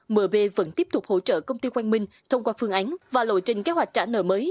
mb vẫn tiếp tục hỗ trợ công ty quang minh thông qua phương án và lộ trình kế hoạch trả nợ mới